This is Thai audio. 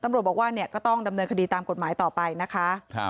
ตำรวจบอกว่าเนี่ยก็ต้องดำเนินคดีตามกฎหมายต่อไปนะคะ